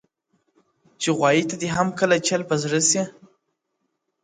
• چي غوايي ته دي هم کله چل په زړه سي ,